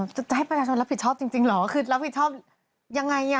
จะให้ประชาชนรับผิดชอบจริงเหรอคือรับผิดชอบยังไงอ่ะ